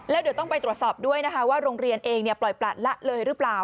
แล้วเดี๋ยวต้องไปตรวจสอบด้วยนะคะว่าโรงเรียนเองปล่อยประละเลยหรือเปล่า